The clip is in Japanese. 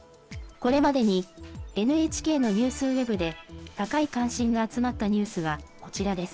これまでにＮＨＫのニュースウェブで、高い関心が集まったニュースがこちらです。